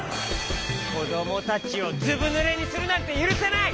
こどもたちをずぶぬれにするなんてゆるせない！